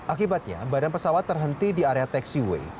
akibatnya badan pesawat terhenti di area taxiway